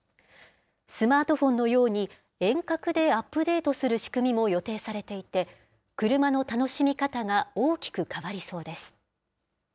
スマートフォンのように、遠隔でアップデートする仕組みも予定されていて、車の楽しみ方が大きく変わりそうです。